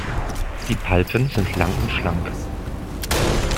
Die Palpen sind lang und schlank.